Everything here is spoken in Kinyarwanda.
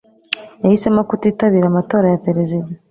Yahisemo kutitabira amatora ya perezida.